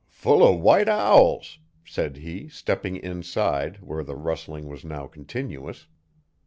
'Full o' white owls,' said he, stepping inside, where the rustling was now continuous.